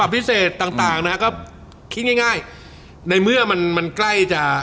พิเศษต่างนะฮะก็คิดง่ายในเมื่อมันมันใกล้จะ